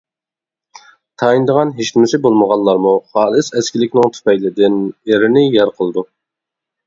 تايىنىدىغان ھېچنېمىسى بولمىغانلارمۇ خالىس ئەسكىلىكىنىڭ تۈپەيلىدىن ئېرىنى يەر قىلىدۇ.